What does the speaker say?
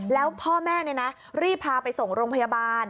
แล้วพ่อแม่รีบพาไปส่งโรงพยาบาล